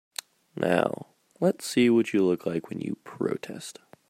Now let's see what you look like when you protest.